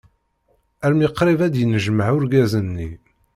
Almi qrib ad d-yennejmaɛ urgaz-nni.